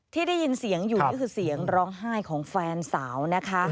ที่ได้ยินเสียงอยู่ก็คือเสียงร้องไห้ของแฟนสาวนะคะ